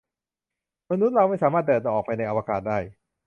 มนุษย์เราไม่สามารถเดินออกไปในอวกาศได้